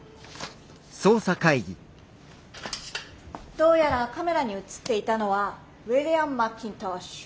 どうやらカメラに写っていたのはウィリアム・マッキントッシュ。